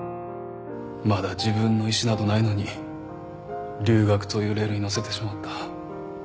まだ自分の意思などないのに留学というレールにのせてしまった。